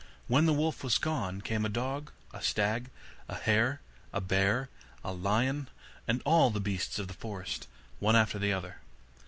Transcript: When the wolf was gone, came a dog, a stag, a hare, a bear, a lion, and all the beasts of the forest, one after the other.